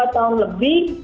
dua tahun lebih